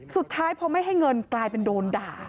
สุดท้ายพอไม่ให้เงินกลายเป็นโดนด่า